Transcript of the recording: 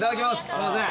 すいません